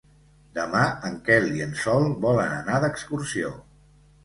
Demà en Quel i en Sol volen anar d'excursió.